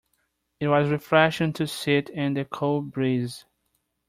It was refreshing to sit in the cool breeze.